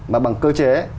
mà bằng cơ chế